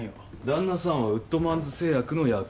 旦那さんはウッドマンズ製薬の役員。